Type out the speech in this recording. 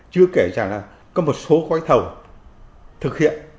chưa kể rằng là có một số gói thầu thực hiện